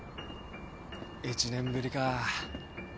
１年ぶりか。